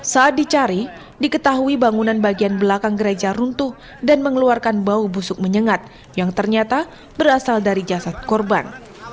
saat dicari diketahui bangunan bagian belakang gereja runtuh dan mengeluarkan bau busuk menyengat yang ternyata berasal dari jasad korban